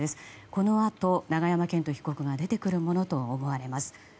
このあと永山絢斗被告が出てくるものと思われます。